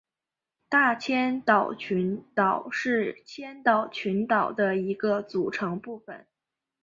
大千岛群岛是千岛群岛的一个组成部分。